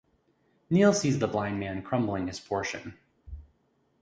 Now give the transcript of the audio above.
Neale sees the blind man crumbling his portion.